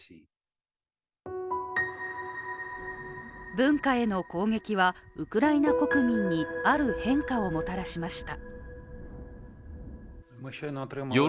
文化への攻撃はウクライナ国民にある変化をもたらしました。